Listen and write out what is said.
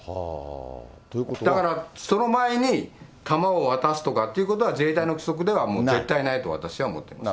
だからその前に、弾を渡すとかっていうのは、自衛隊のでは絶対ないと私は思ってます。